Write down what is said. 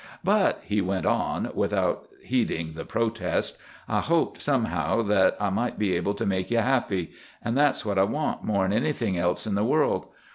"But," he went on without heeding the protest, "I hoped, somehow, that I might be able to make you happy. An' that's what I want, more'n anything else in the world.